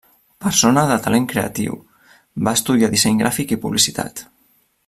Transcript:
Persona de talent creatiu, va estudiar disseny gràfic i publicitat.